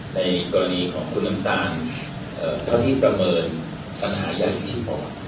ในกรณีของคุณตามเท่าที่ประเมินสำหรับยาทิตย์ที่ปอด